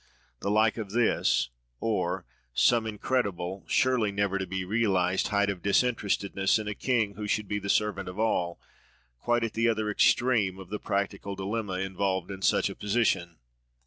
The like of this: or, some incredible, surely never to be realised, height of disinterestedness, in a king who should be the servant of all, quite at the other extreme of the practical dilemma involved in such a position.